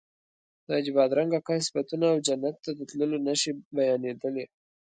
د حاجي بادرنګ اکا صفتونه او جنت ته د تلو نښې بیانېدلې.